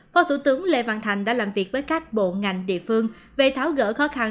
phó thủ tướng lê văn thành đã làm việc với các bộ ngành địa phương về tháo gỡ khó khăn